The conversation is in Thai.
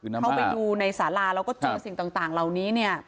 เข้าไปดูในสาราแล้วก็เจอสิ่งต่างเหล่านี้เนี่ย